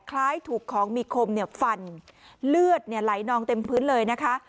คล้ายถูกของมีคมเนี่ยฟันเลือดไหลนองเต็มพื้นเลยนะคะ